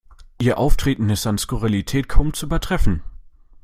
Ihr Auftreten ist an Skurrilität kaum zu übertreffen.